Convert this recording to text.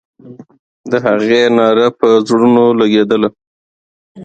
د هغې ناره پر زړونو لګېدله.